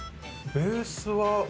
ベースは。